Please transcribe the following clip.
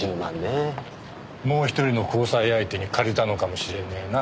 もう１人の交際相手に借りたのかもしれねえな。